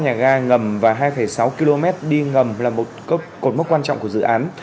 nhà ga ngầm và hai sáu km đi ngầm là một cột mốc quan trọng của dự án